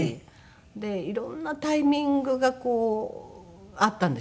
で色んなタイミングがこうあったんでしょうね。